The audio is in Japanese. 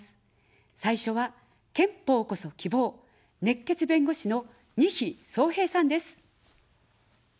最初は、憲法こそ希望、熱血弁護士の、にひそうへいさんです。